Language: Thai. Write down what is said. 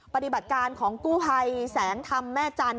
ปฏิบัติการของกู้ภัยแสงธรรมแม่จันท